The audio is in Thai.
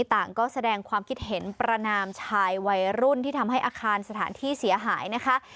ต่างก็แสดงความคิดเห็นประนามชายวัยรุ่นที่ทำให้อาคารสถานที่เสียหายนะคะ